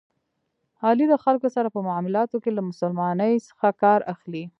علي د خلکو سره په معاملاتو کې له مسلمانی څخه کار اخلي.